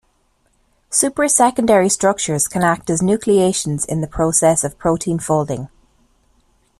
Supersecondary structures can act as nucleations in the process of protein folding.